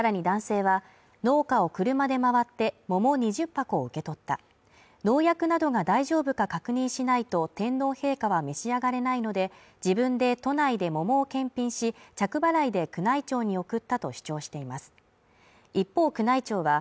さらに男性は農家を車で回って桃２０箱を受け取った農薬などが大丈夫か確認しないと天皇陛下は召し上がれないので、自分で都内でも桃を検品し着払で宮内庁に送ったと主張しています。